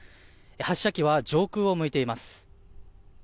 発射機は上空を向いています。